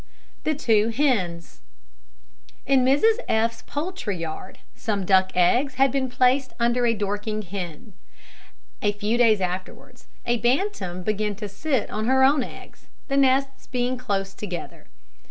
THE TWO HENS. In Mrs F 's poultry yard, some duck eggs had been placed under a Dorking hen. A few days afterwards, a bantam began to sit on her own eggs the nests being close together.